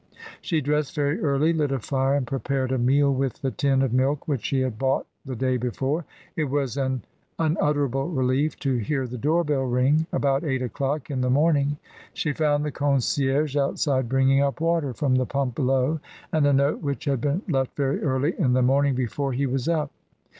She dressed very early, lit a fire, and prepared a meal with the tin of milk which she had bought the day before. It was an unutterable relief to hear the door bell ring about eight o'clock in the morning. She found the concierge outside bringing up water from the pump below, and a note which had been left very early in the morning before he was up.